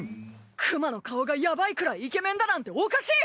クマの顔がヤバいくらいイケメンだなんておかしい！